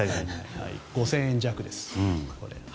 ５０００円弱です。